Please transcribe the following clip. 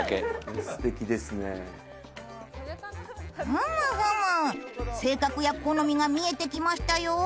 ふむふむ性格や好みが見えてきましたよ。